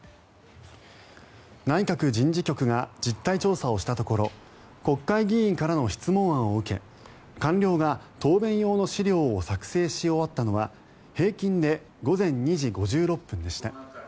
内閣人事局が実態調査をしたところ国会議員からの質問案を受け官僚が答弁用の資料を作成し終わったのは平均で午前２時５６分でした。